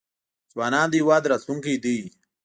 ځوانان د هیواد راتلونکی دی